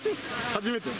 初めて？